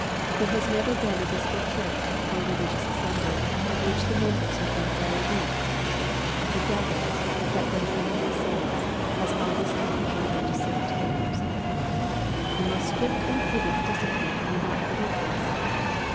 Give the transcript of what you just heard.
There has never been a visible Church or a religious assembly, of which the members have been all " wheat." The devil, that great enemy of souls, has always taken care to sow " tares." The most strict and prudent discipline will not prevent this.